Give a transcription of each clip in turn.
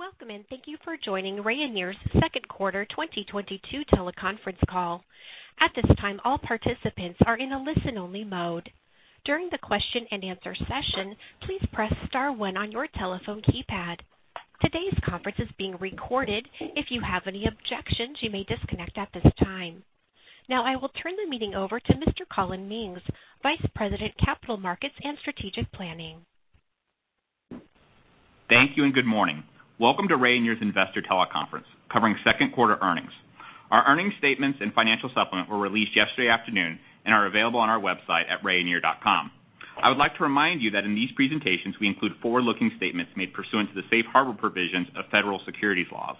Welcome, and thank you for joining Rayonier's second quarter 2022 teleconference call. At this time, all participants are in a listen-only mode. During the question and answer session, please press star one on your telephone keypad. Today's conference is being recorded. If you have any objections, you may disconnect at this time. Now, I will turn the meeting over to Mr. Collin Mings, Vice President, Capital Markets & Strategic Planning. Thank you and good morning. Welcome to Rayonier's Investor Teleconference covering second quarter earnings. Our earnings statements and financial supplement were released yesterday afternoon and are available on our website at rayonier.com. I would like to remind you that in these presentations, we include forward-looking statements made pursuant to the safe harbor provisions of federal securities laws.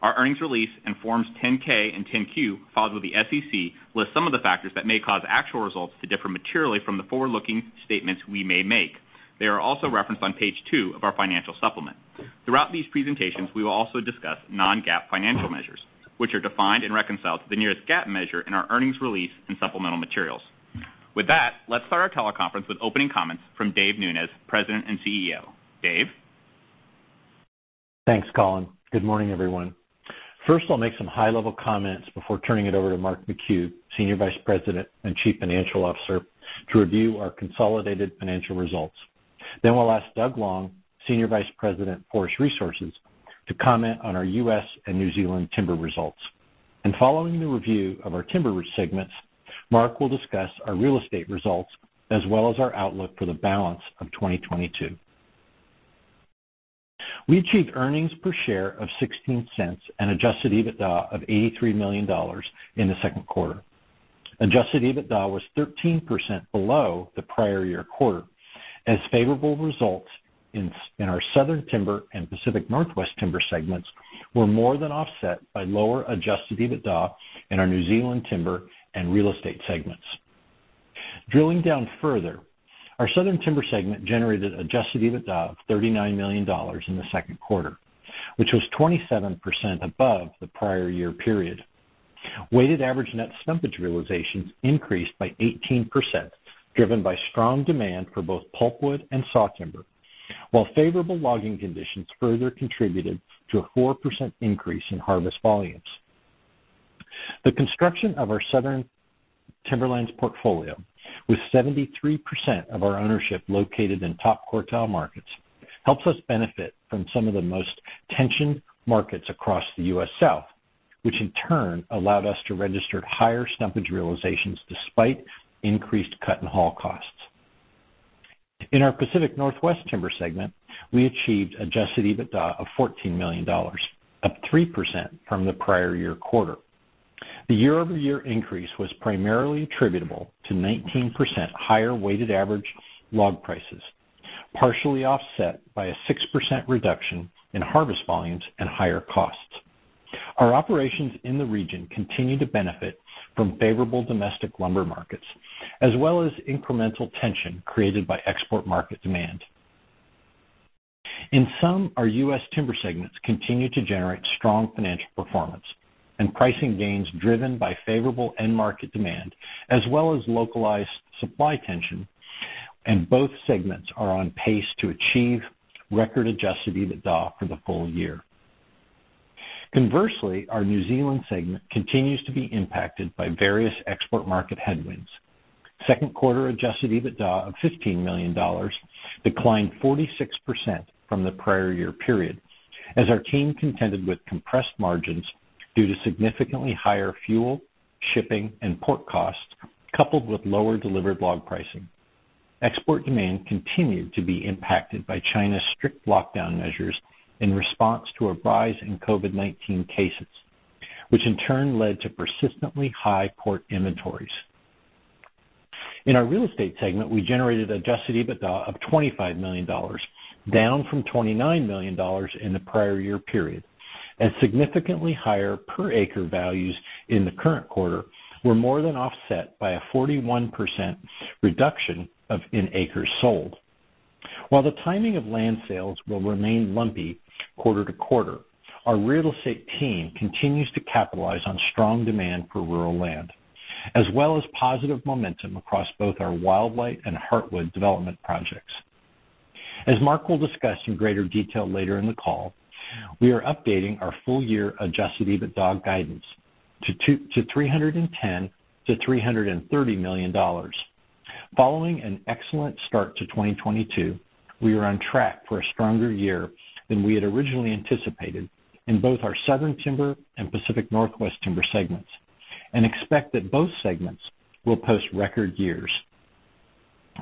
Our earnings release in forms 10-K and 10-Q filed with the SEC list some of the factors that may cause actual results to differ materially from the forward-looking statements we may make. They are also referenced on page two of our financial supplement. Throughout these presentations, we will also discuss non-GAAP financial measures, which are defined and reconciled to the nearest GAAP measure in our earnings release and supplemental materials. With that, let's start our teleconference with opening comments from Dave Nunes, President and CEO. Dave? Thanks, Collin. Good morning, everyone. First, I'll make some high-level comments before turning it over to Mark McHugh, Senior Vice President and Chief Financial Officer, to review our consolidated financial results. We'll ask Doug Long, Senior Vice President, Forest Resources, to comment on our U.S. and New Zealand Timber results. Following the review of our timber segments, Mark will discuss our Real Estate results as well as our outlook for the balance of 2022. We achieved earnings per share of $0.16 and adjusted EBITDA of $83 million in the second quarter. Adjusted EBITDA was 13% below the prior year quarter as favorable results in our Southern Timber and Pacific Northwest Timber segments were more than offset by lower adjusted EBITDA in our New Zealand Timber and Real Estate segments. Drilling down further, our Southern Timber segment generated adjusted EBITDA of $39 million in the second quarter, which was $27 million above the prior year period. Weighted average net stumpage realizations increased by 18%, driven by strong demand for both pulpwood and saw timber, while favorable logging conditions further contributed to a 4% increase in harvest volumes. The construction of our Southern Timberlands portfolio, with 73% of our ownership located in top quartile markets, helps us benefit from some of the most intense markets across the U.S. South, which in turn allowed us to register higher stumpage realizations despite increased cut and haul costs. In our Pacific Northwest Timber segment, we achieved adjusted EBITDA of $14 million, up 3% from the prior year quarter. The year-over-year increase was primarily attributable to 19% higher weighted average log prices, partially offset by a 6% reduction in harvest volumes and higher costs. Our operations in the region continue to benefit from favorable domestic lumber markets, as well as incremental tension created by export market demand. In sum, our U.S. timber segments continue to generate strong financial performance and pricing gains driven by favorable end market demand as well as localized supply tension, and both segments are on pace to achieve record adjusted EBITDA for the full year. Conversely, our New Zealand segment continues to be impacted by various export market headwinds. Second quarter adjusted EBITDA of $15 million declined 46% from the prior year period as our team contended with compressed margins due to significantly higher fuel, shipping, and port costs coupled with lower delivered log pricing. Export demand continued to be impacted by China's strict lockdown measures in response to a rise in COVID-19 cases, which in turn led to persistently high port inventories. In our real estate segment, we generated adjusted EBITDA of $25 million, down from $29 million in the prior year period, as significantly higher per acre values in the current quarter were more than offset by a 41% reduction in acres sold. While the timing of land sales will remain lumpy quarter to quarter, our real estate team continues to capitalize on strong demand for rural land, as well as positive momentum across both our Wildlight and Heartwood development projects. As Mark will discuss in greater detail later in the call, we are updating our full year adjusted EBITDA guidance to $210 million-$330 million. Following an excellent start to 2022, we are on track for a stronger year than we had originally anticipated in both our Southern Timber and Pacific Northwest Timber segments and expect that both segments will post record years.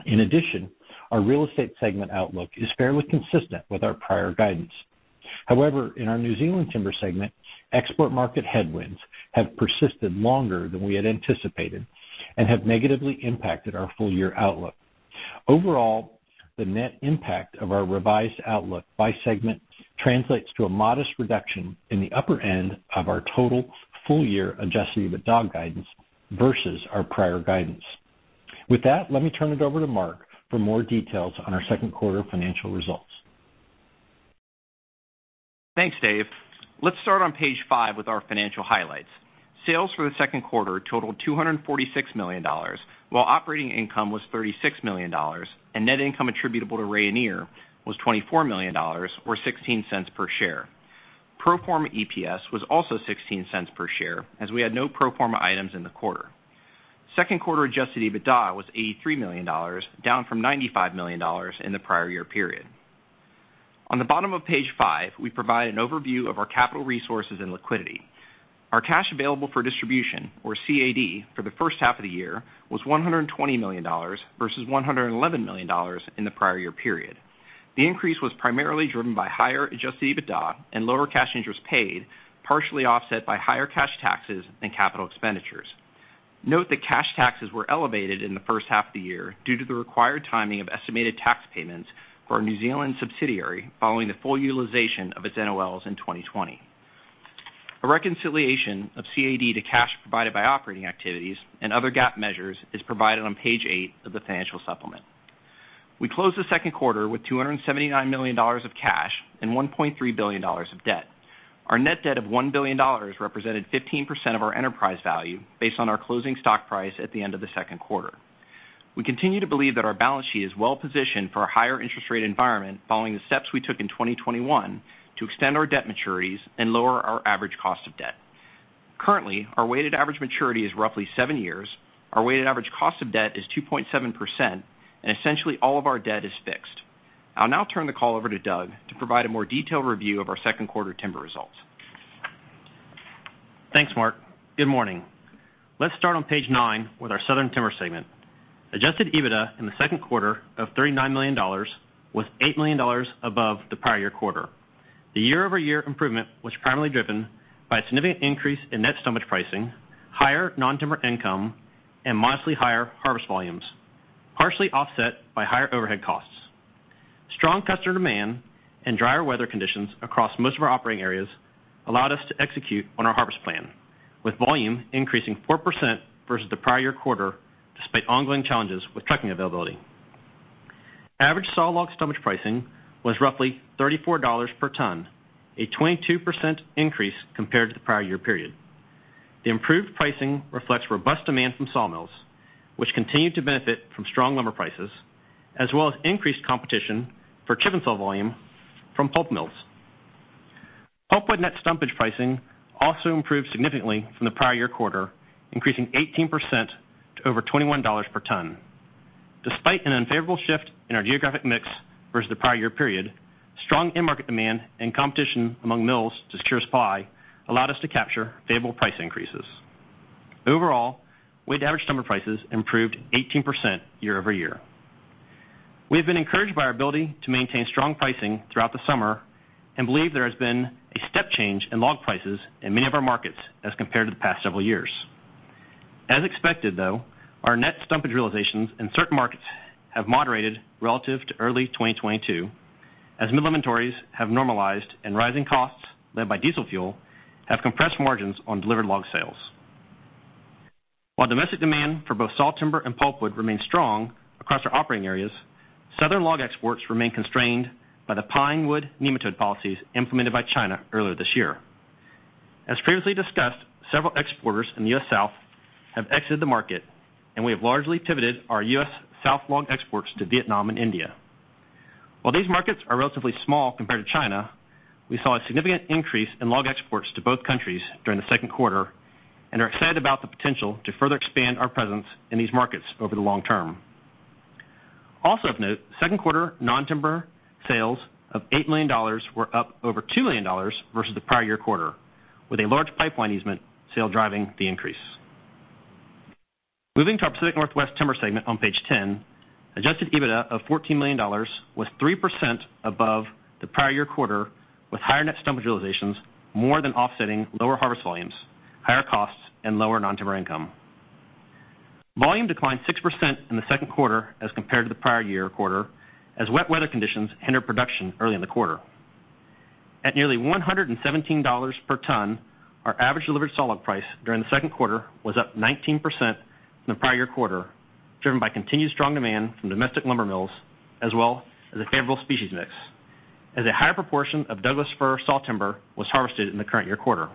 In addition, our Real Estate segment outlook is fairly consistent with our prior guidance. However, in our New Zealand Timber segment, export market headwinds have persisted longer than we had anticipated and have negatively impacted our full year outlook. Overall, the net impact of our revised outlook by segment translates to a modest reduction in the upper end of our total full year adjusted EBITDA guidance versus our prior guidance. With that, let me turn it over to Mark for more details on our second quarter financial results. Thanks, David. Let's start on page five with our financial highlights. Sales for the second quarter totaled $246 million, while operating income was $36 million, and net income attributable to Rayonier was $24 million or 16 cents per share. Pro forma EPS was also 16 cents per share as we had no pro forma items in the quarter. Second quarter adjusted EBITDA was $83 million, down from $95 million in the prior year period. On the bottom of page five, we provide an overview of our capital resources and liquidity. Our cash available for distribution, or CAD, for the first half of the year was $120 million versus $111 million in the prior year period. The increase was primarily driven by higher adjusted EBITDA and lower cash interest paid, partially offset by higher cash taxes and capital expenditures. Note that cash taxes were elevated in the first half of the year due to the required timing of estimated tax payments for our New Zealand subsidiary following the full utilization of its NOLs in 2020. A reconciliation of CAD to cash provided by operating activities and other GAAP measures is provided on page eight of the financial supplement. We closed the second quarter with $279 million of cash and $1.3 billion of debt. Our net debt of $1 billion represented 15% of our enterprise value based on our closing stock price at the end of the second quarter. We continue to believe that our balance sheet is well-positioned for a higher interest rate environment following the steps we took in 2021 to extend our debt maturities and lower our average cost of debt. Currently, our weighted average maturity is roughly seven years, our weighted average cost of debt is 2.7%, and essentially all of our debt is fixed. I'll now turn the call over to Doug to provide a more detailed review of our second quarter timber results. Thanks, Mark. Good morning. Let's start on page nine with our Southern Timber segment. Adjusted EBITDA in the second quarter of $39 million was $8 million above the prior year quarter. The year-over-year improvement was primarily driven by a significant increase in net stumpage pricing, higher non-timber income, and modestly higher harvest volumes, partially offset by higher overhead costs. Strong customer demand and drier weather conditions across most of our operating areas allowed us to execute on our harvest plan, with volume increasing 4% versus the prior year quarter despite ongoing challenges with trucking availability. Average sawlog stumpage pricing was roughly $34 per ton, a 22% increase compared to the prior year period. The improved pricing reflects robust demand from sawmills, which continue to benefit from strong lumber prices, as well as increased competition for chip-n-saw volume from pulp mills. Pulpwood net stumpage pricing also improved significantly from the prior year quarter, increasing 18% to over $21 per ton. Despite an unfavorable shift in our geographic mix versus the prior year period, strong end market demand and competition among mills to secure supply allowed us to capture favorable price increases. Overall, weighted average timber prices improved 18% year-over-year. We've been encouraged by our ability to maintain strong pricing throughout the summer and believe there has been a step change in log prices in many of our markets as compared to the past several years. As expected, though, our net stumpage realizations in certain markets have moderated relative to early 2022 as mill inventories have normalized and rising costs led by diesel fuel have compressed margins on delivered log sales. While domestic demand for both sawtimber and pulpwood remains strong across our operating areas, Southern log exports remain constrained by the pinewood nematode policies implemented by China earlier this year. As previously discussed, several exporters in the U.S. South have exited the market, and we have largely pivoted our U.S. South log exports to Vietnam and India. While these markets are relatively small compared to China, we saw a significant increase in log exports to both countries during the second quarter and are excited about the potential to further expand our presence in these markets over the long term. Also of note, second quarter non-timber sales of $8 million were up over $2 million versus the prior year quarter, with a large pipeline easement sale driving the increase. Moving to our Pacific Northwest Timber segment on page 10, adjusted EBITDA of $14 million was 3% above the prior year quarter, with higher net stumpage realizations more than offsetting lower harvest volumes, higher costs, and lower non-timber income. Volume declined 6% in the second quarter as compared to the prior year quarter as wet weather conditions hindered production early in the quarter. At nearly $117 per ton, our average delivered sawlog price during the second quarter was up 19% from the prior year quarter, driven by continued strong demand from domestic lumber mills, as well as a favorable species mix, as a higher proportion of Douglas fir sawtimber was harvested in the current year quarter.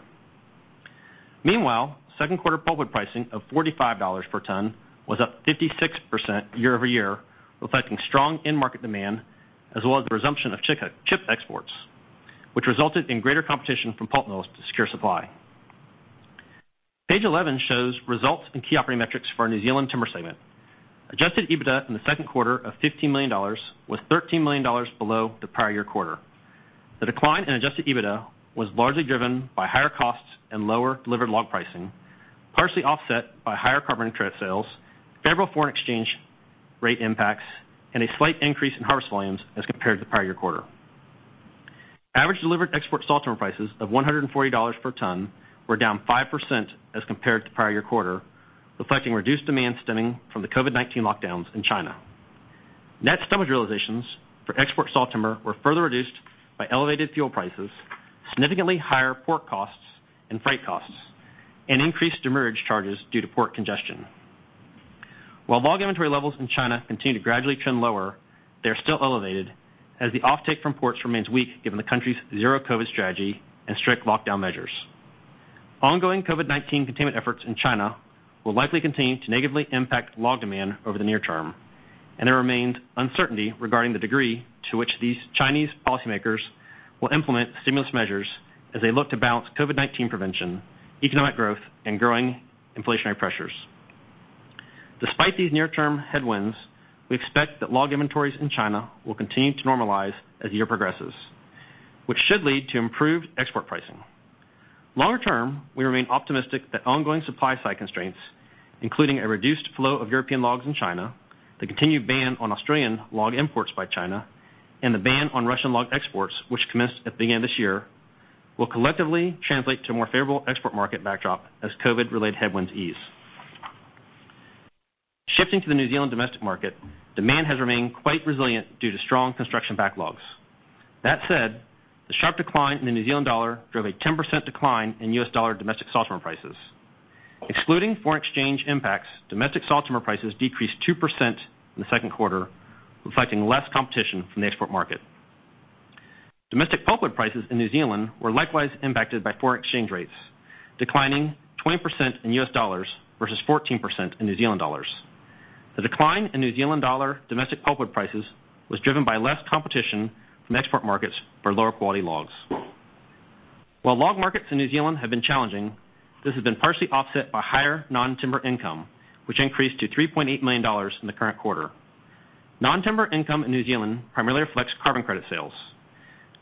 Meanwhile, second quarter pulpwood pricing of $45 per ton was up 56% year-over-year, reflecting strong end-market demand as well as the resumption of chip exports, which resulted in greater competition from pulp mills to secure supply. Page 11 shows results and key operating metrics for our New Zealand Timber segment. Adjusted EBITDA in the second quarter of $15 million was $13 million below the prior year quarter. The decline in adjusted EBITDA was largely driven by higher costs and lower delivered log pricing, partially offset by higher carbon credit sales, favorable foreign exchange rate impacts, and a slight increase in harvest volumes as compared to the prior year quarter. Average delivered export sawtimber prices of $140 per ton were down 5% as compared to prior-year quarter, reflecting reduced demand stemming from the COVID-19 lockdowns in China. Net stumpage realizations for export sawtimber were further reduced by elevated fuel prices, significantly higher port costs and freight costs, and increased demurrage charges due to port congestion. While log inventory levels in China continue to gradually trend lower, they're still elevated as the offtake from ports remains weak given the country's zero-COVID strategy and strict lockdown measures. Ongoing COVID-19 containment efforts in China will likely continue to negatively impact log demand over the near term, and there remains uncertainty regarding the degree to which these Chinese policymakers will implement stimulus measures as they look to balance COVID-19 prevention, economic growth, and growing inflationary pressures. Despite these near-term headwinds, we expect that log inventories in China will continue to normalize as the year progresses, which should lead to improved export pricing. Longer term, we remain optimistic that ongoing supply side constraints, including a reduced flow of European logs in China, the continued ban on Australian log imports by China, and the ban on Russian log exports which commenced at the beginning of this year, will collectively translate to more favorable export market backdrop as COVID-related headwinds ease. Shifting to the New Zealand domestic market, demand has remained quite resilient due to strong construction backlogs. That said, the sharp decline in the New Zealand dollar drove a 10% decline in US dollar domestic sawtimber prices. Excluding foreign exchange impacts, domestic sawtimber prices decreased 2% in the second quarter, reflecting less competition from the export market. Domestic pulpwood prices in New Zealand were likewise impacted by foreign exchange rates, declining 20% in US dollars versus 14% in New Zealand dollars. The decline in New Zealand dollar domestic pulpwood prices was driven by less competition from export markets for lower quality logs. While log markets in New Zealand have been challenging, this has been partially offset by higher non-timber income, which increased to $3.8 million in the current quarter. Non-timber income in New Zealand primarily reflects carbon credit sales.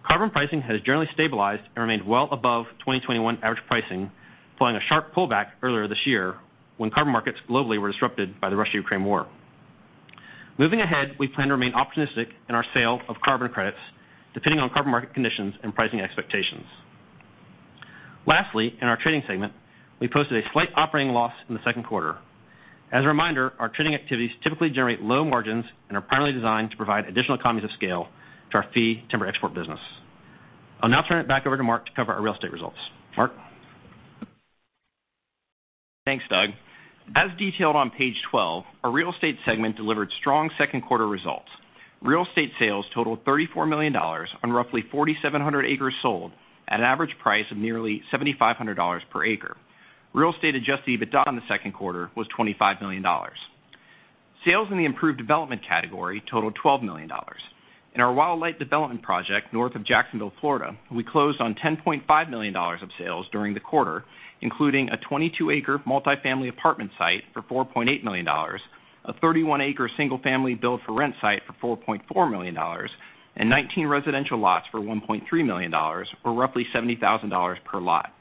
Carbon pricing has generally stabilized and remained well above 2021 average pricing, following a sharp pullback earlier this year when carbon markets globally were disrupted by the Russia-Ukraine war. Moving ahead, we plan to remain optimistic in our sale of carbon credits depending on carbon market conditions and pricing expectations. Lastly, in our trading segment, we posted a slight operating loss in the second quarter. As a reminder, our trading activities typically generate low margins and are primarily designed to provide additional economies of scale to our fee timber export business. I'll now turn it back over to Mark to cover our Real Estate results. Mark? Thanks, Doug. As detailed on page 12, our Real Estate segment delivered strong second quarter results. Real estate sales totaled $34 million on roughly 4,700 acres sold at an average price of nearly $7,500 per acre. Real estate adjusted EBITDA in the second quarter was $25 million. Sales in the improved development category totaled $12 million. In our Wildlight development project, north of Jacksonville, Florida, we closed on $10.5 million of sales during the quarter, including a 22-acre multi-family apartment site for $4.8 million, a 31-acre single-family build-for-rent site for $4.4 million, and 19 residential lots for $1.3 million, or roughly $70,000 per lot.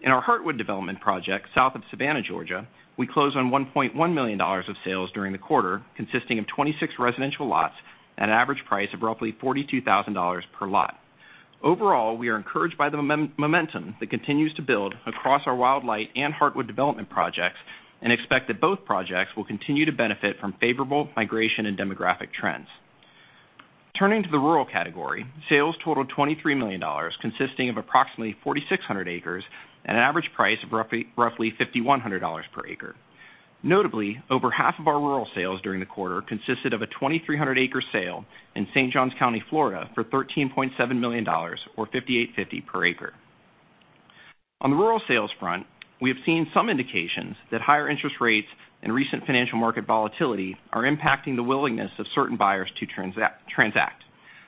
In our Heartwood development project, south of Savannah, Georgia, we closed on $1.1 million of sales during the quarter, consisting of 26 residential lots at an average price of roughly $42,000 per lot. Overall, we are encouraged by the momentum that continues to build across our Wildlight and Heartwood development projects and expect that both projects will continue to benefit from favorable migration and demographic trends. Turning to the rural category, sales totaled $23 million, consisting of approximately 4,600 acres at an average price of roughly $5,100 per acre. Notably, over half of our rural sales during the quarter consisted of a 2,300-acre sale in St. Johns County, Florida for $13.7 million or $5,850 per acre. On the rural sales front, we have seen some indications that higher interest rates and recent financial market volatility are impacting the willingness of certain buyers to transact.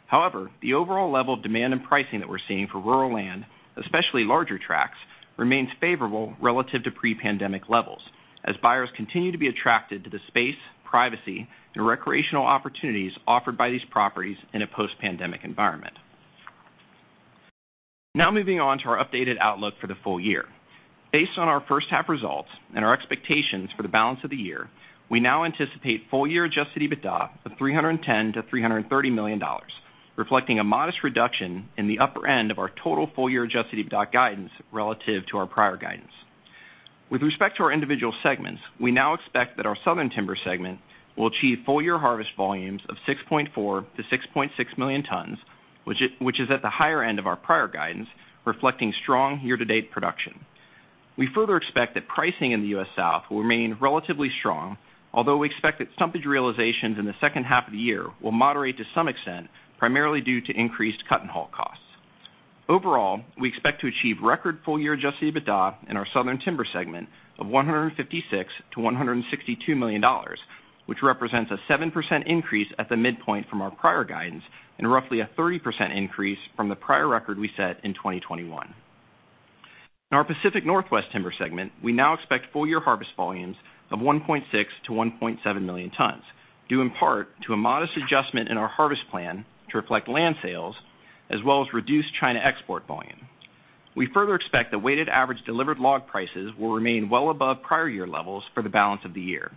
However, the overall level of demand and pricing that we're seeing for rural land, especially larger tracts, remains favorable relative to pre-pandemic levels as buyers continue to be attracted to the space, privacy, and recreational opportunities offered by these properties in a post-pandemic environment. Now moving on to our updated outlook for the full year. Based on our first half results and our expectations for the balance of the year, we now anticipate full-year adjusted EBITDA of $310 million-$330 million, reflecting a modest reduction in the upper end of our total full-year adjusted EBITDA guidance relative to our prior guidance. With respect to our individual segments, we now expect that our Southern Timber segment will achieve full year harvest volumes of 6.4-6.6 million tons, which is at the higher end of our prior guidance, reflecting strong year-to-date production. We further expect that pricing in the U.S. South will remain relatively strong, although we expect that stumpage realizations in the second half of the year will moderate to some extent, primarily due to increased cut and haul costs. Overall, we expect to achieve record full year adjusted EBITDA in our Southern Timber segment of $156-$162 million, which represents a 7% increase at the midpoint from our prior guidance and roughly a 30% increase from the prior record we set in 2021. In our Pacific Northwest Timber segment, we now expect full-year harvest volumes of 1.6-1.7 million tons, due in part to a modest adjustment in our harvest plan to reflect land sales as well as reduced China export volume. We further expect the weighted average delivered log prices will remain well above prior year levels for the balance of the year.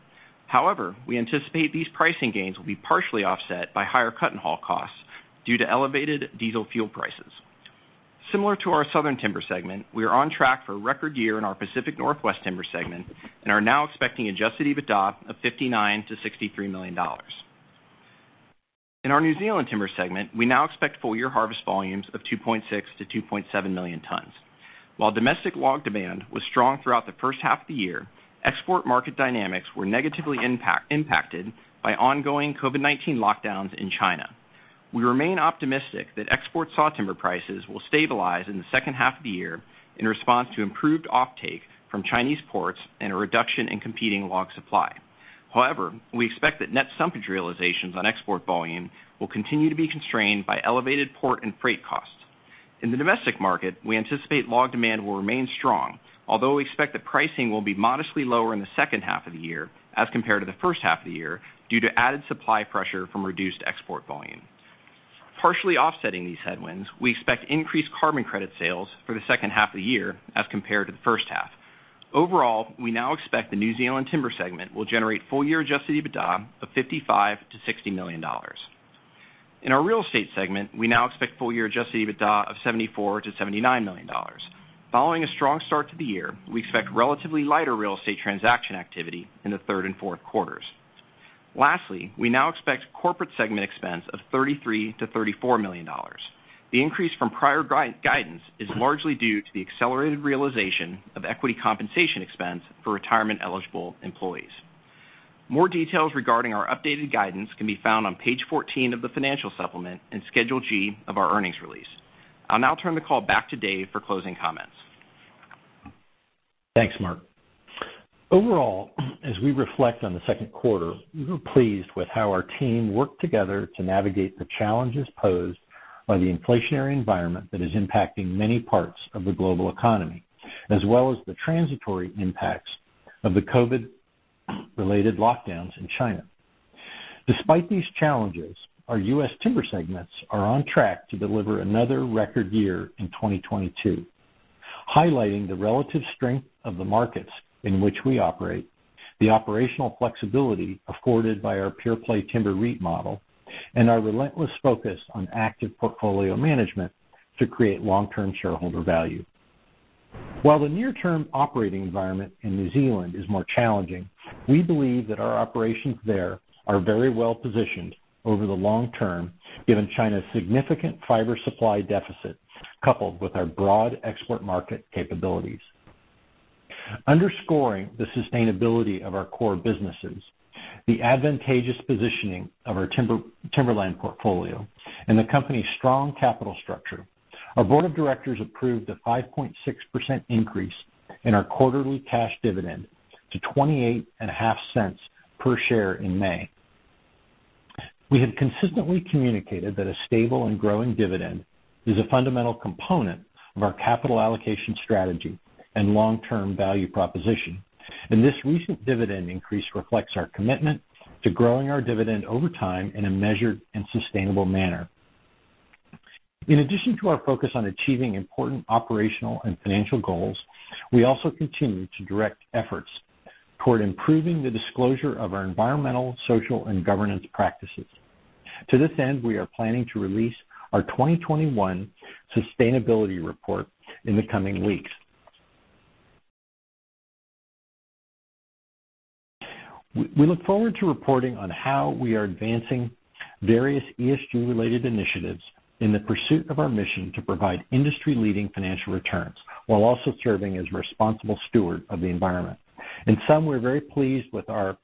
However, we anticipate these pricing gains will be partially offset by higher cut and haul costs due to elevated diesel fuel prices. Similar to our Southern Timber segment, we are on track for a record year in our Pacific Northwest Timber segment and are now expecting adjusted EBITDA of $59 million-$63 million. In our New Zealand Timber segment, we now expect full-year harvest volumes of 2.6-2.7 million tons. While domestic log demand was strong throughout the first half of the year, export market dynamics were negatively impacted by ongoing COVID-19 lockdowns in China. We remain optimistic that export sawtimber prices will stabilize in the second half of the year in response to improved offtake from Chinese ports and a reduction in competing log supply. However, we expect that net stumpage realizations on export volume will continue to be constrained by elevated port and freight costs. In the domestic market, we anticipate log demand will remain strong, although we expect that pricing will be modestly lower in the second half of the year as compared to the first half of the year due to added supply pressure from reduced export volume. Partially offsetting these headwinds, we expect increased carbon credit sales for the second half of the year as compared to the first half. Overall, we now expect the New Zealand timber segment will generate full-year adjusted EBITDA of $55 million-$60 million. In our real estate segment, we now expect full-year adjusted EBITDA of $74 million-$79 million. Following a strong start to the year, we expect relatively lighter real estate transaction activity in the third and fourth quarters. Lastly, we now expect corporate segment expense of $33 million-$34 million. The increase from prior guidance is largely due to the accelerated realization of equity compensation expense for retirement eligible employees. More details regarding our updated guidance can be found on page 14 of the financial supplement and Schedule G of our earnings release. I'll now turn the call back to Dave for closing comments. Thanks, Mark. Overall, as we reflect on the second quarter, we're pleased with how our team worked together to navigate the challenges posed by the inflationary environment that is impacting many parts of the global economy, as well as the transitory impacts of the COVID-related lockdowns in China. Despite these challenges, our U.S. timber segments are on track to deliver another record year in 2022, highlighting therelative strength of the markets in which we operate, the operational flexibility afforded by our pure-play timber REIT model, and our relentless focus on active portfolio management to create long term shareholder value. While the near term operating environment in New Zealand is more challenging, we believe that our operations there are very well positioned over the long term, given China's significant fiber supply deficit, coupled with our broad export market capabilities. Underscoring the sustainability of our core businesses, the advantageous positioning of our timber, timberland portfolio, and the company's strong capital structure, our board of directors approved a 5.6% increase in our quarterly cash dividend to $0.285 per share in May. We have consistently communicated that a stable and growing dividend is a fundamental component of our capital allocation strategy and long term value proposition, and this recent dividend increase reflects our commitment to growing our dividend over time in a measured and sustainable manner. In addition to our focus on achieving important operational and financial goals, we also continue to direct efforts toward improving the disclosure of our environmental, social, and governance practices. To this end, we are planning to release our 2021 sustainability report in the coming weeks. We look forward to reporting on how we are advancing various ESG-related initiatives in the pursuit of our mission to provide industry-leading financial returns while also serving as a responsible steward of the environment. In sum, we're very pleased with our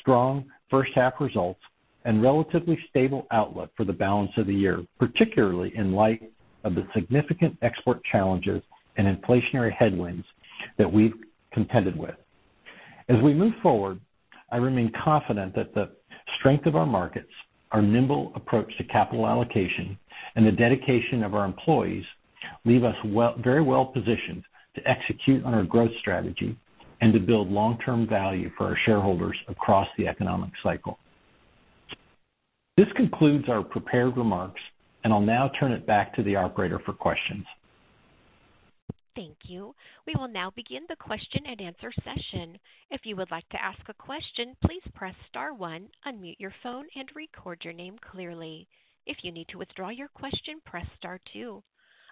strong first half results and relatively stable outlook for the balance of the year, particularly in light of the significant export challenges and inflationary headwinds that we've contended with. As we move forward, I remain confident that the strength of our markets, our nimble approach to capital allocation, and the dedication of our employees leave us very well-positioned to execute on our growth strategy and to build long-term value for our shareholders across the economic cycle. This concludes our prepared remarks, and I'll now turn it back to the operator for questions. Thank you. We will now begin the question and answer session. If you would like to ask a question, please press star one, unmute your phone, and record your name clearly. If you need to withdraw your question, press star two.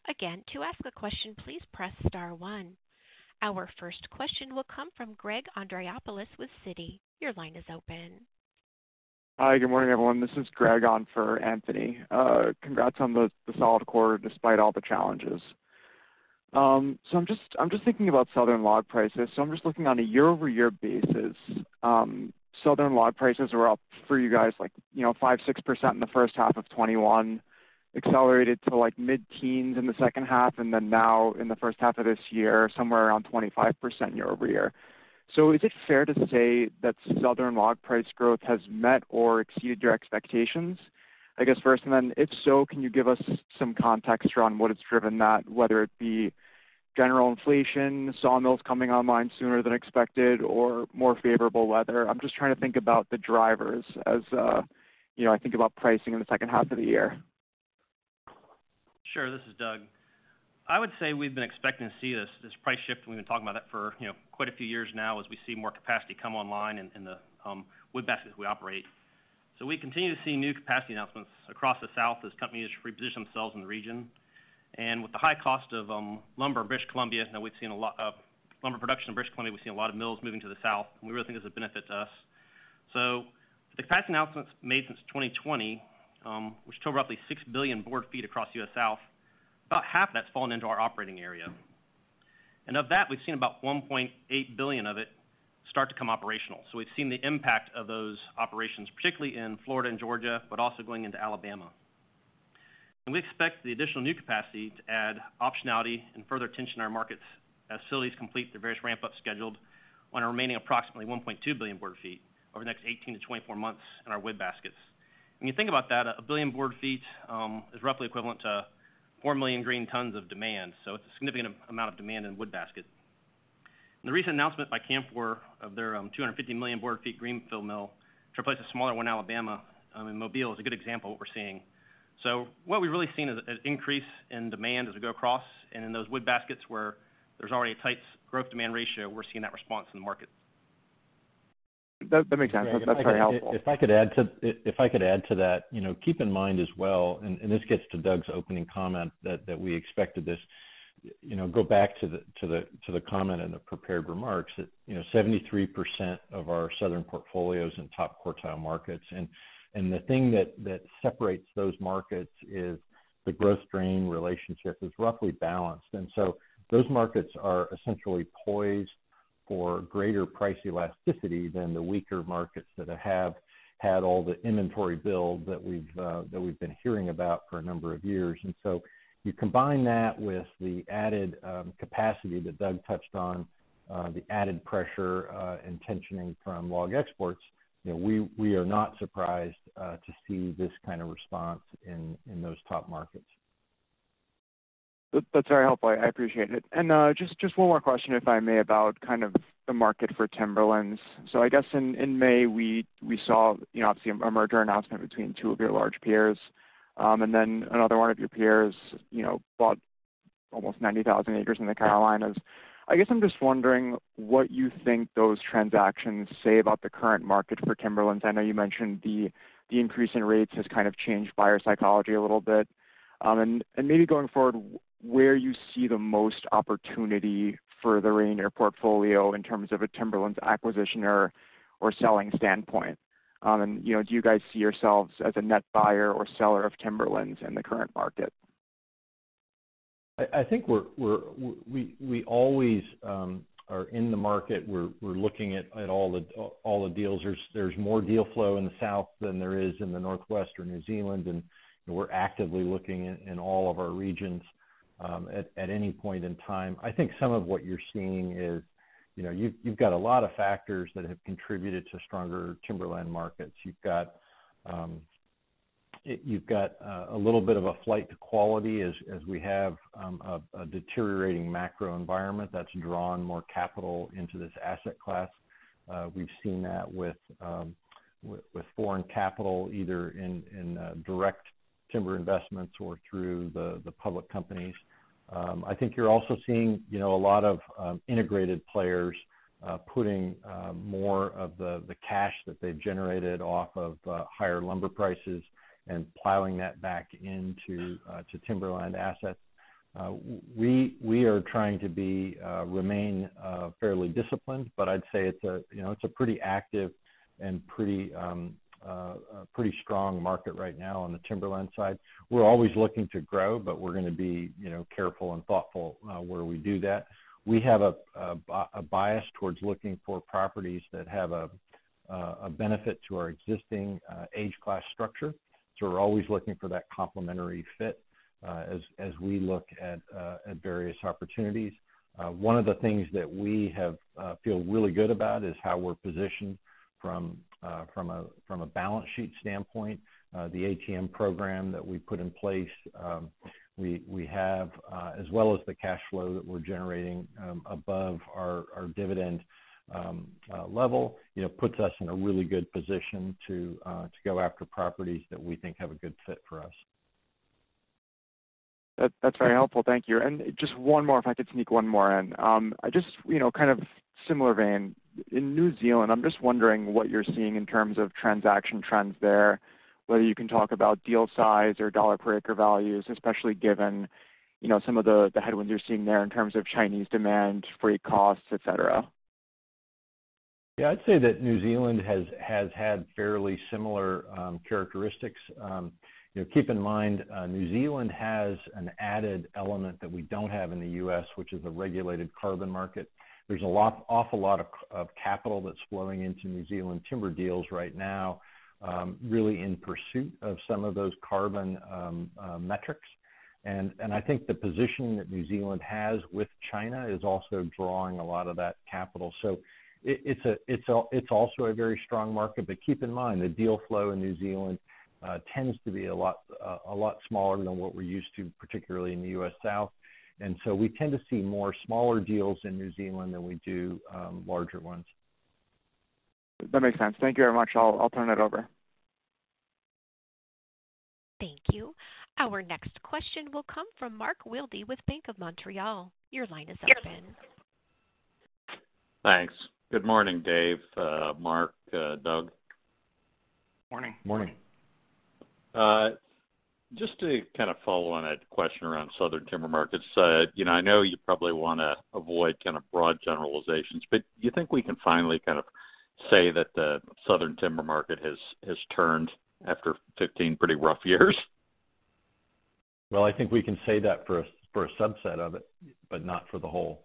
Again, to ask a question, please press star one. Our first question will come from Greg Andreopoulos with Citi. Your line is open. Hi, good morning, everyone. This is Greg on for Anthony. Congrats on the solid quarter despite all the challenges. I'm thinking about southern log prices. I'm looking on a year-over-year basis. Southern log prices were up for you guys like, you know, 5-6% in the first half of 2021, accelerated to like mid-teens% in the second half, and then now in the first half of this year, somewhere around 25% year-over-year. Is it fair to say that southern log price growth has met or exceeded your expectations? I guess first, and then if so, can you give us some context around what has driven that, whether it be general inflation, sawmills coming online sooner than expected or more favorable weather? I'm just trying to think about the drivers as, you know, I think about pricing in the second half of the year. Sure. This is Doug. I would say we've been expecting to see this price shift, and we've been talking about that for, you know, quite a few years now as we see more capacity come online in the wood basins we operate. We continue to see new capacity announcements across the South as companies reposition themselves in the region. With the high cost of lumber in British Columbia, now we've seen a lot of lumber production in British Columbia. We've seen a lot of mills moving to the South, and we really think it's a benefit to us. The capacity announcements made since 2020, which total roughly 6 billion board feet across U.S. South, about half that's fallen into our operating area. Of that, we've seen about 1.8 billion of it start to come operational. We've seen the impact of those operations, particularly in Florida and Georgia, but also going into Alabama. We expect the additional new capacity to add optionality and further tension in our markets as facilities complete their various ramp-up schedules on our remaining approximately 1.2 billion board feet over the next 18-24 months in our wood baskets. When you think about that, 1 billion board feet is roughly equivalent to 4 million green tons of demand. It's a significant amount of demand in wood basket. The recent announcement by Canfor of their 250 million board feet greenfield mill to replace a smaller one in Alabama, in Mobile, is a good example of what we're seeing. What we've really seen is an increase in demand as we go across. In those wood baskets where there's already a tight growth-demand ratio, we're seeing that response in the market. That makes sense. That's very helpful. If I could add to that. You know, keep in mind as well, and this gets to Doug's opening comment that we expected this. You know, go back to the comment in the prepared remarks that, you know, 73% of our southern portfolio is in top quartile markets. The thing that separates those markets is the growth-to-drain relationship is roughly balanced. Those markets are essentially poised for greater price elasticity than the weaker markets that have had all the inventory build that we've been hearing about for a number of years. You combine that with the added capacity that Doug touched on, the added pressure and tension from log exports. You know, we are not surprised to see this kind of response in those top markets. That's very helpful. I appreciate it. Just one more question, if I may, about kind of the market for timberlands. I guess in May, we saw, you know, obviously a merger announcement between two of your large peers. Then another one of your peers, you know, bought almost 90,000 acres in the Carolinas. I guess I'm just wondering what you think those transactions say about the current market for timberlands. I know you mentioned the increase in rates has kind of changed buyer psychology a little bit. And maybe going forward, where you see the most opportunity furthering your portfolio in terms of a timberlands acquisition or selling standpoint. You know, do you guys see yourselves as a net buyer or seller of timberlands in the current market? I think we're. We always are in the market. We're looking at all the deals. There's more deal flow in the South than there is in the Northwest or New Zealand, and we're actively looking in all of our regions at any point in time. I think some of what you're seeing is, you know, you've got a lot of factors that have contributed to stronger timberland markets. You've got a little bit of a flight to quality as we have a deteriorating macro environment that's drawn more capital into this asset class. We've seen that with foreign capital, either in direct timber investments or through the public companies. I think you're also seeing, you know, a lot of integrated players putting more of the cash that they've generated off of higher lumber prices and plowing that back into timberland assets. We are trying to remain fairly disciplined, but I'd say it's a, you know, it's a pretty active and pretty strong market right now on the timberland side. We're always looking to grow, but we're gonna be, you know, careful and thoughtful where we do that. We have a bias towards looking for properties that have a benefit to our existing age class structure. So we're always looking for that complementary fit as we look at various opportunities. One of the things that we feel really good about is how we're positioned from a balance sheet standpoint. The ATM program that we put in place, as well as the cash flow that we're generating above our dividend level, you know, puts us in a really good position to go after properties that we think have a good fit for us. That's very helpful. Thank you. Just one more, if I could sneak one more in. Just, you know, kind of similar vein. In New Zealand, I'm just wondering what you're seeing in terms of transaction trends there. Whether you can talk about deal size or dollar per acre values, especially given, you know, some of the headwinds you're seeing there in terms of Chinese demand, freight costs, et cetera. Yeah, I'd say that New Zealand has had fairly similar characteristics. You know, keep in mind, New Zealand has an added element that we don't have in the U.S., which is a regulated carbon market. There's an awful lot of capital that's flowing into New Zealand timber deals right now, really in pursuit of some of those carbon metrics. I think the positioning that New Zealand has with China is also drawing a lot of that capital. It's also a very strong market. Keep in mind, the deal flow in New Zealand tends to be a lot smaller than what we're used to, particularly in the U.S. South. We tend to see more smaller deals in New Zealand than we do larger ones. That makes sense. Thank you very much. I'll turn it over. Thank you. Our next question will come from Mark Wilde with BMO Capital Markets. Your line is open. Thanks. Good morning, Dave, Mark, Doug. Morning. Morning. Just to kind of follow on a question around Southern Timber markets. You know, I know you probably wanna avoid kind of broad generalizations, but you think we can finally kind of say that the Southern Timber market has turned after 15 pretty rough years? Well, I think we can say that for a subset of it, but not for the whole.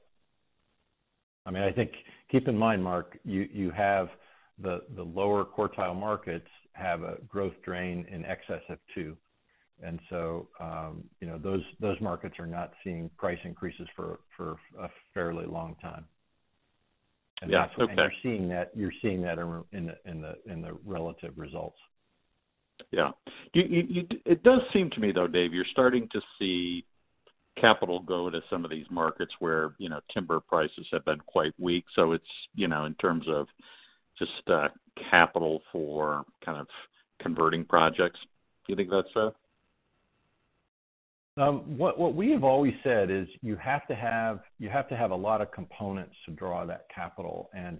I mean, I think keep in mind, Mark, you have the lower quartile markets have a growth-to-drain ratio in excess of two. You know, those markets are not seeing price increases for a fairly long time. Yeah. Okay. You're seeing that in the relative results. Yeah. It does seem to me though, Dave, you're starting to see capital go to some of these markets where, you know, timber prices have been quite weak, so it's, you know, in terms of just, capital for kind of converting projects. Do you think that's so? What we have always said is you have to have a lot of components to draw that capital, and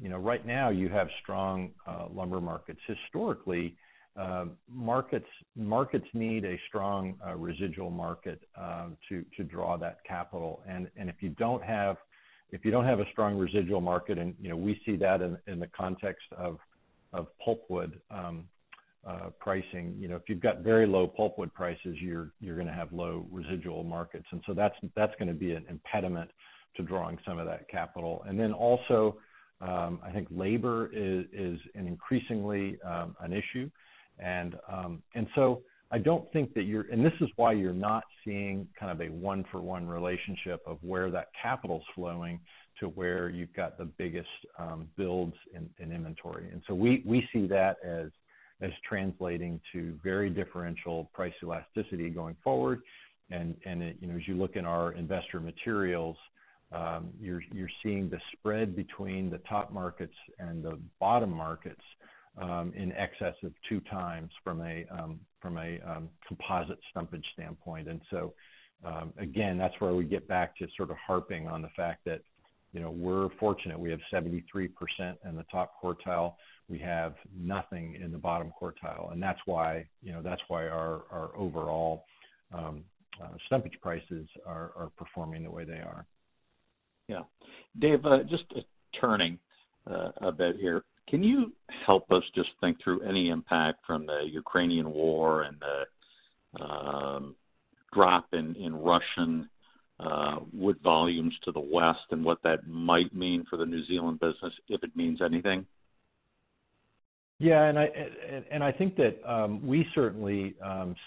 you know, right now you have strong lumber markets. Historically, markets need a strong residual market to draw that capital. If you don't have a strong residual market and you know, we see that in the context of pulpwood pricing. You know, if you've got very low pulpwood prices, you're gonna have low residual markets. That's gonna be an impediment to drawing some of that capital. Also, I think labor is increasingly an issue. I don't think that you're. This is why you're not seeing kind of a one-for-one relationship of where that capital's flowing to where you've got the biggest builds in inventory. We see that as translating to very differential price elasticity going forward. It, you know, as you look in our investor materials, you're seeing the spread between the top markets and the bottom markets in excess of two times from a composite stumpage standpoint. Again, that's where we get back to sort of harping on the fact that, you know, we're fortunate we have 73% in the top quartile. We have nothing in the bottom quartile. That's why, you know, that's why our overall stumpage prices are performing the way they are. Yeah. Dave, just turning a bit here. Can you help us just think through any impact from the Ukrainian war and the drop in Russian wood volumes to the West and what that might mean for the New Zealand business, if it means anything? Yeah. I think that we certainly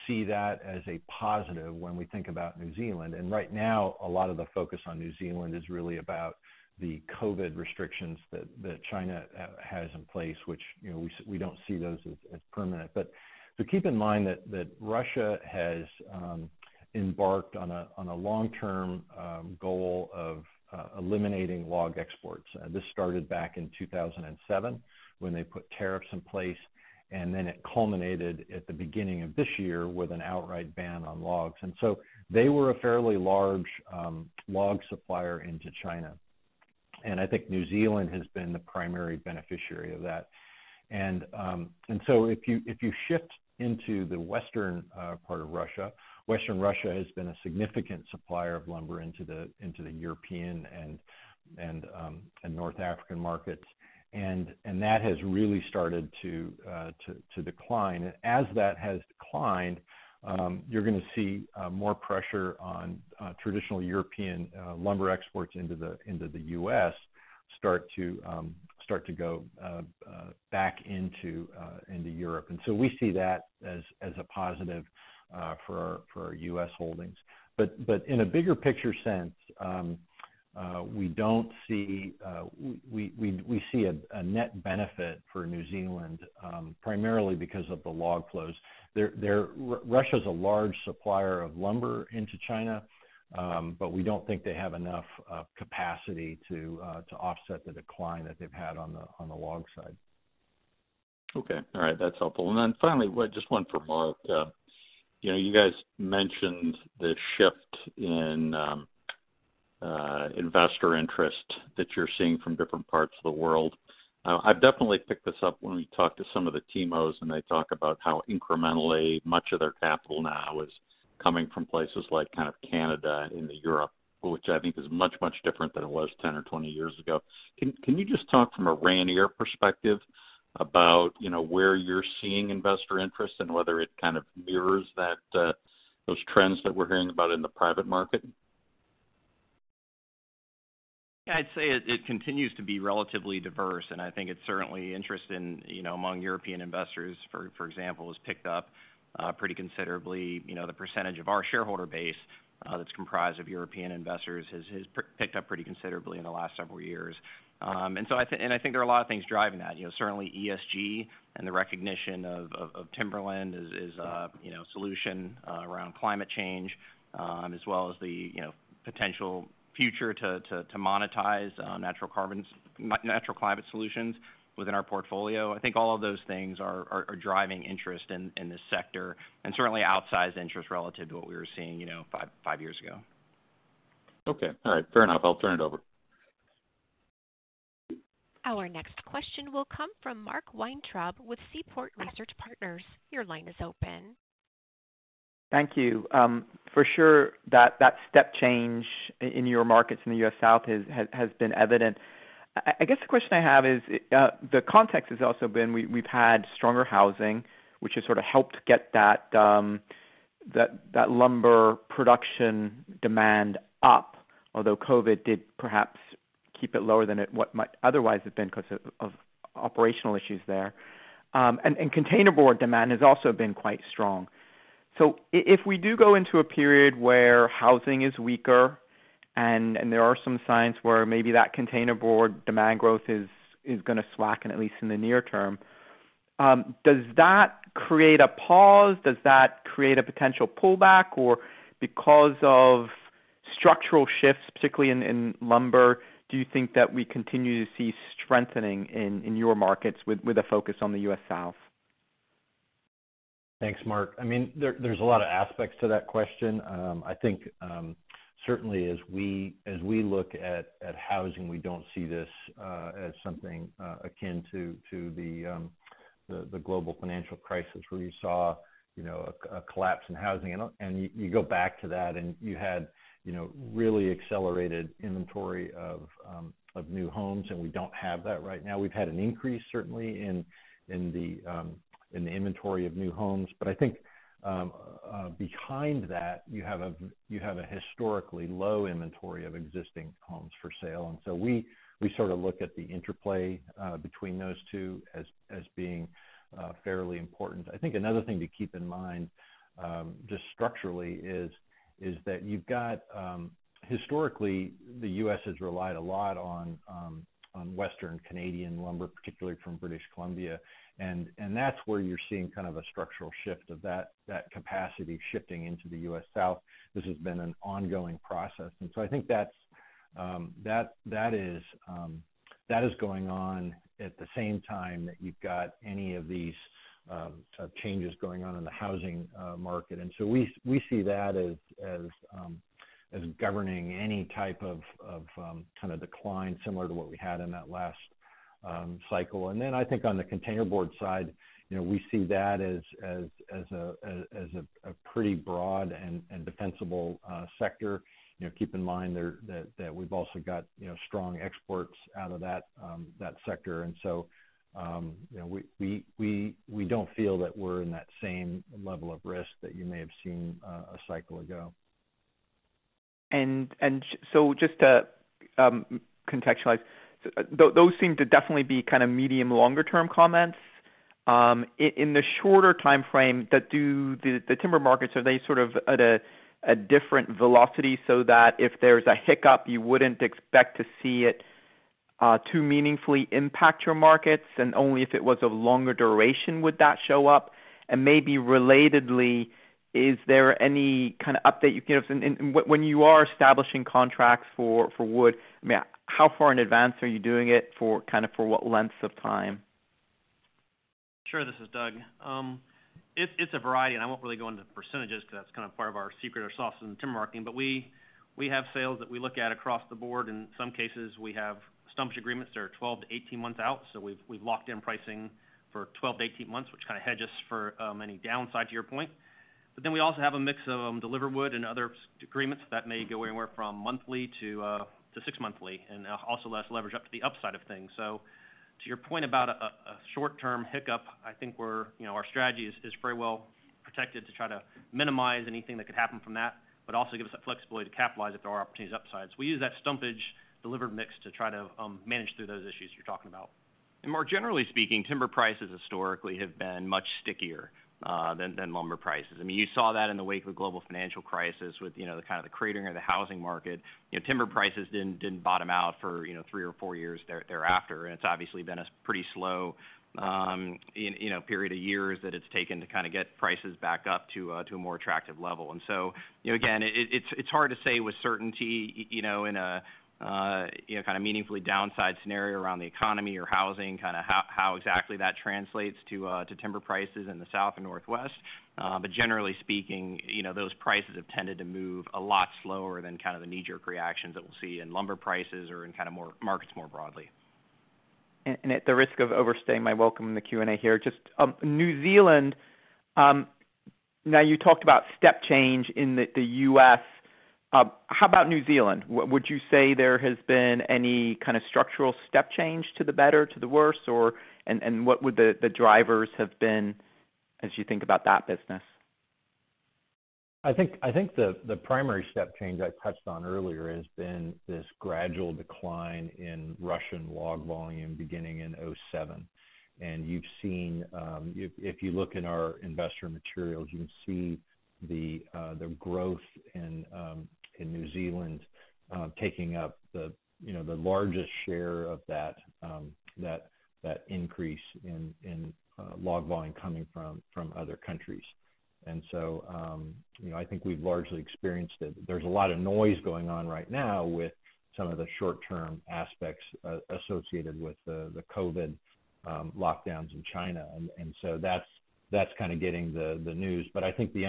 see that as a positive when we think about New Zealand. Right now, a lot of the focus on New Zealand is really about the COVID restrictions that China has in place, which, you know, we don't see those as permanent. Keep in mind that Russia has embarked on a long-term goal of eliminating log exports. This started back in 2007 when they put tariffs in place, and then it culminated at the beginning of this year with an outright ban on logs. They were a fairly large log supplier into China. I think New Zealand has been the primary beneficiary of that. If you shift into the western part of Russia, western Russia has been a significant supplier of lumber into the European and North African markets. That has really started to decline. As that has declined, you're gonna see more pressure on traditional European lumber exports into the U.S. start to go back into Europe. We see that as a positive for our U.S. holdings. In a bigger picture sense, we see a net benefit for New Zealand primarily because of the log flows. Russia is a large supplier of lumber into China, but we don't think they have enough capacity to offset the decline that they've had on the log side. Okay. All right. That's helpful. Finally, just one for Mark. You know, you guys mentioned the shift in investor interest that you're seeing from different parts of the world. I've definitely picked this up when we talked to some of the TIMOs, and they talk about how incrementally much of their capital now is coming from places like kind of Canada into Europe, which I think is much, much different than it was 10 or 20 years ago. Can you just talk from a Rayonier perspective about, you know, where you're seeing investor interest and whether it kind of mirrors that, those trends that we're hearing about in the private market? Yeah. I'd say it continues to be relatively diverse, and I think there's certainly interest in, you know, among European investors, for example, has picked up pretty considerably. You know, the percentage of our shareholder base that's comprised of European investors has picked up pretty considerably in the last several years. And I think there are a lot of things driving that. You know, certainly ESG and the recognition of timberland is solution around climate change, as well as the potential future to monetize natural carbon, natural climate solutions within our portfolio. I think all of those things are driving interest in this sector, and certainly outsized interest relative to what we were seeing, you know, five years ago. Okay. All right. Fair enough. I'll turn it over. Our next question will come from Mark Weintraub with Seaport Research Partners. Your line is open. Thank you. For sure, that step change in your markets in the U.S. South has been evident. I guess the question I have is, the context has also been we've had stronger housing, which has sort of helped get that lumber production demand up, although COVID did perhaps keep it lower than what it might otherwise have been 'cause of operational issues there. And container board demand has also been quite strong. If we do go into a period where housing is weaker and there are some signs where maybe that container board demand growth is gonna slacken at least in the near term, does that create a pause? Does that create a potential pullback? Because of structural shifts, particularly in lumber, do you think that we continue to see strengthening in your markets with a focus on the U.S. South? Thanks, Mark. I mean, there's a lot of aspects to that question. I think certainly as we look at housing, we don't see this as something akin to the global financial crisis where you saw, you know, a collapse in housing. You go back to that and you had, you know, really accelerated inventory of new homes, and we don't have that right now. We've had an increase certainly in the inventory of new homes. But I think behind that you have a historically low inventory of existing homes for sale. We sort of look at the interplay between those two as being fairly important. I think another thing to keep in mind, just structurally, is that you've got, historically, the U.S. has relied a lot on Western Canadian lumber, particularly from British Columbia. That's where you're seeing kind of a structural shift of that capacity shifting into the U.S. South. This has been an ongoing process. I think that is going on at the same time that you've got any of these sort of changes going on in the housing market. We see that as governing any type of kind of decline similar to what we had in that last cycle. I think on the container board side, you know, we see that as a pretty broad and defensible sector. You know, keep in mind there that we've also got, you know, strong exports out of that sector. You know, we don't feel that we're in that same level of risk that you may have seen a cycle ago. Just to contextualize, those seem to definitely be kind of medium longer term comments. In the shorter timeframe the timber markets, are they sort of at a different velocity so that if there's a hiccup, you wouldn't expect to see it too meaningfully impact your markets, and only if it was a longer duration would that show up? Maybe relatedly, is there any kind of update you can give us? When you are establishing contracts for wood, I mean, how far in advance are you doing it for what lengths of time? Sure. This is Doug. It's a variety, and I won't really go into percentages 'cause that's kind of part of our secret sauce in the timber marketing. We have sales that we look at across the board. In some cases, we have stumpage agreements that are 12-18 months out, so we've locked in pricing for 12-18 months, which kind of hedge us for any downside to your point. We also have a mix of delivered wood and other agreements that may go anywhere from monthly to six monthly, and also less leverage up to the upside of things. To your point about a short-term hiccup, I think we're our strategy is very well protected to try to minimize anything that could happen from that, but also give us that flexibility to capitalize if there are opportunities upsides. We use that stumpage delivered mix to try to manage through those issues you're talking about. More generally speaking, timber prices historically have been much stickier than lumber prices. I mean, you saw that in the wake of the global financial crisis with the kind of the cratering of the housing market. Timber prices didn't bottom out for three or four years thereafter, and it's obviously been a pretty slow period of years that it's taken to kind of get prices back up to a more attractive level. You know, again, it's hard to say with certainty, you know, in a you know kind of meaningful downside scenario around the economy or housing, kinda how exactly that translates to timber prices in the South and Northwest. Generally speaking, you know, those prices have tended to move a lot slower than kind of the knee-jerk reactions that we'll see in lumber prices or in kind of other markets more broadly. At the risk of overstaying my welcome in the Q&A here, just New Zealand now you talked about step change in the U.S. How about New Zealand? Would you say there has been any kind of structural step change to the better, to the worse, or, and what would the drivers have been as you think about that business? I think the primary step change I touched on earlier has been this gradual decline in Russian log volume beginning in 2007. You've seen, if you look in our investor materials, you can see the growth in New Zealand taking up you know the largest share of that increase in log volume coming from other countries. I think we've largely experienced it. There's a lot of noise going on right now with some of the short-term aspects associated with the COVID lockdowns in China. That's kind of getting the news. I think the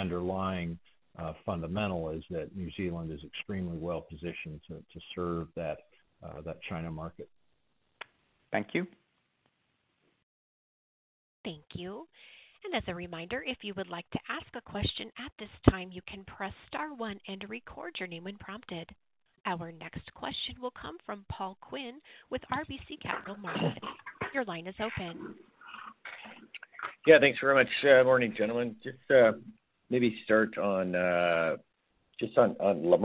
underlying fundamental is that New Zealand is extremely well positioned to serve that China market. Thank you. Thank you. As a reminder, if you would like to ask a question at this time, you can press star one and record your name when prompted. Our next question will come from Paul Quinn with RBC Capital Markets. Your line is open. Yeah, thanks very much. Good morning, gentlemen. Just maybe start on lumber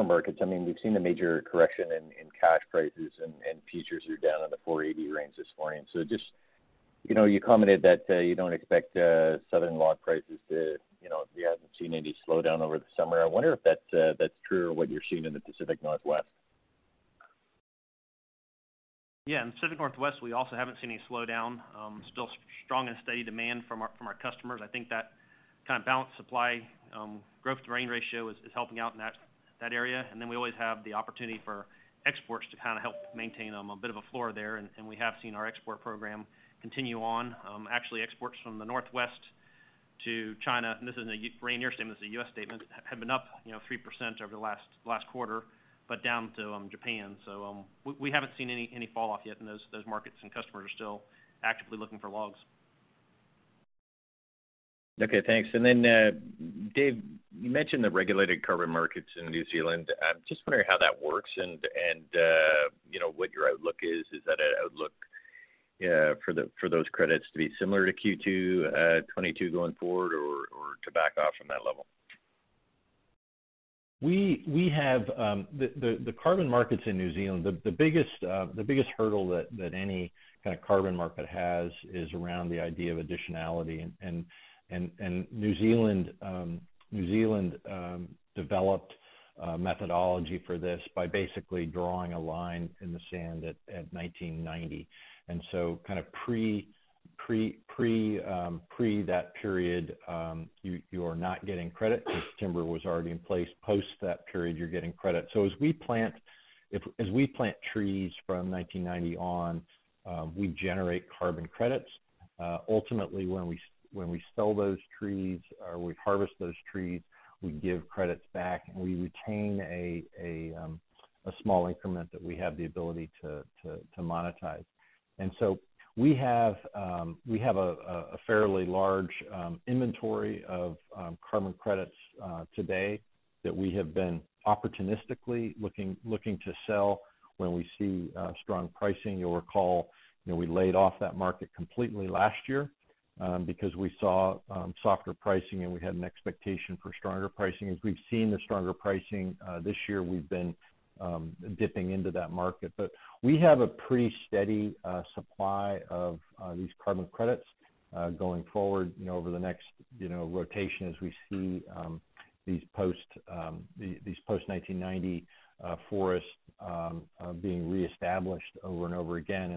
markets. I mean, we've seen a major correction in cash prices, and futures are down in the $480 range this morning. You know, you commented that you don't expect southern log prices to, you know, you haven't seen any slowdown over the summer. I wonder if that's true or what you're seeing in the Pacific Northwest. Yeah. In the Pacific Northwest, we also haven't seen any slowdown. Still strong and steady demand from our customers. I think that kind of balanced supply, growth-to-drain ratio is helping out in that area. We always have the opportunity for exports to kinda help maintain a bit of a floor there, and we have seen our export program continue on. Actually exports from the Northwest to China, and this isn't a Rayonier statement, this is a U.S. statement, have been up, you know, 3% over the last quarter, but down to Japan. We haven't seen any fallout yet in those markets, and customers are still actively looking for logs. Okay, thanks. Dave, you mentioned the regulated carbon markets in New Zealand. Just wondering how that works and, you know, what your outlook is. Is that an outlook for those credits to be similar to Q2 2022 going forward or to back off from that level? We have the carbon markets in New Zealand. The biggest hurdle that any kinda carbon market has is around the idea of additionality and New Zealand developed a methodology for this by basically drawing a line in the sand at 1990. Kind of pre that period, you are not getting credit because timber was already in place. Post that period, you're getting credit. So as we plant trees from 1990 on, we generate carbon credits. Ultimately, when we sell those trees or we harvest those trees, we give credits back, and we retain a small increment that we have the ability to monetize. We have a fairly large inventory of carbon credits today that we have been opportunistically looking to sell when we see strong pricing. You'll recall, you know, we laid off that market completely last year because we saw softer pricing, and we had an expectation for stronger pricing. As we've seen the stronger pricing this year, we've been dipping into that market. But we have a pretty steady supply of these carbon credits going forward, you know, over the next, you know, rotation as we see these post-1990 forests being reestablished over and over again.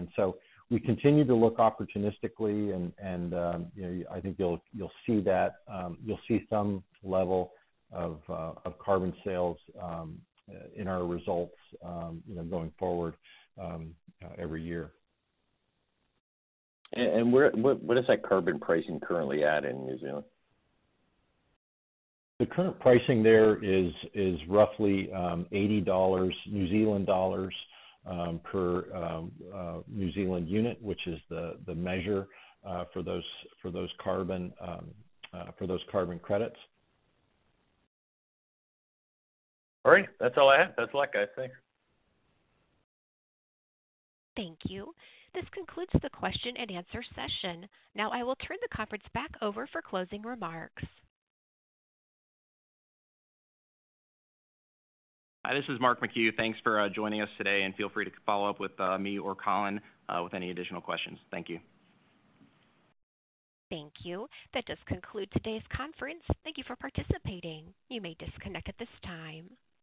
We continue to look opportunistically and, you know, I think you'll see that you'll see some level of carbon sales in our results, you know, going forward, every year. What is that carbon pricing currently at in New Zealand? The current pricing there is roughly 80 New Zealand dollars, New Zealand dollars, per New Zealand Unit, which is the measure for those carbon credits. All right. That's all I have. Best of luck, guys. Thanks. Thank you. This concludes the question and answer session. Now I will turn the conference back over for closing remarks. Hi, this is Mark McHugh. Thanks for joining us today, and feel free to follow up with me or Collin Mings with any additional questions. Thank you. Thank you. That does conclude today's conference. Thank you for participating. You may disconnect at this time.